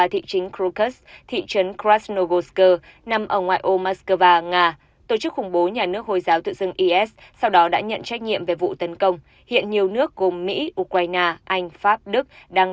hiện nhiều nước gồm mỹ ukraine anh pháp đức đang đồng loạt lên tiếng về vụ việc